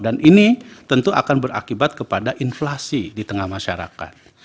dan ini tentu akan berakibat kepada inflasi di tengah masyarakat